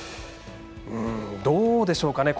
どうでしょうか。